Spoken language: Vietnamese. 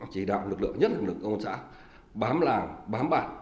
chỉ đạo lực lượng nhất là lực lượng xã bám làng bám bàn